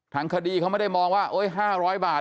ทางคดีเขาไม่ได้มองว่า๕๐๐บาท